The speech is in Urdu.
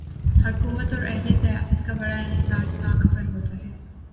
حکومت اوراہل سیاست کا بڑا انحصار ساکھ پر ہوتا ہے۔